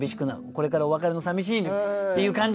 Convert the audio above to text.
これからお別れのさみしいっていう感じもね